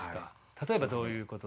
例えばどういうこと？